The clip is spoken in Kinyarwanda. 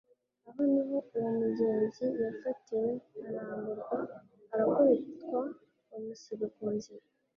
Aho niho uwo mugenzi yafatiwe, aramburwa, arakubitwa bamusiga ku nzira,